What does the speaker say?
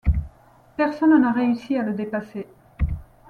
Personne n'a réussi à le dépasser...